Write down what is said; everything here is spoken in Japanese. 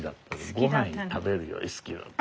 ごはん食べるより好きだった。